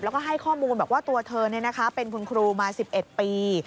แล้วก็ให้ข้อมูลบอกว่าตัวเธอเป็นคุณครูมา๑๑ปี